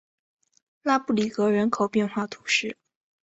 拉布里格人口变化图示